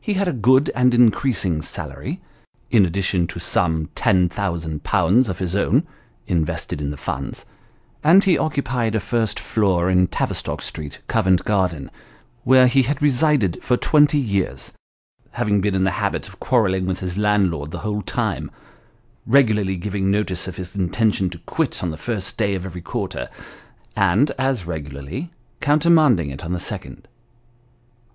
He had a good and increasing salary, in addition to some 10,OOOZ. of his own (invested in the funds), and he occupied a first floor in Tavistock Street, Covent Garden, where he had resided for twenty years, having been in the habit of quarrelling with his landlord the whole time : regularly giving notice of his inten tion to quit on the first day of every quarter, and as regularly counter manding it on the second.